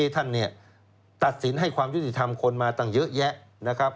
ท่านตัดสินให้ความยุติธรรมคนมาตั้งเยอะแยะนะครับ